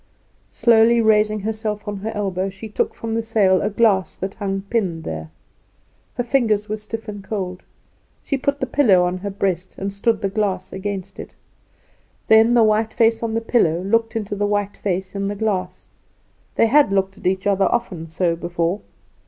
Slowly raising herself on her elbow, she took from the sail a glass that hung pinned there. Her fingers were stiff and cold. She put the pillow on her breast, and stood the glass against it. Then the white face on the pillow looked into the white face in the glass. They had looked at each other often so before.